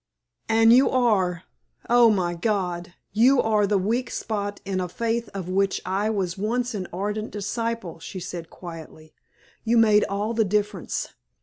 "And you are oh! my God! you are the weak spot in a faith of which I was once an ardent disciple," she said, quietly. "You made all the difference.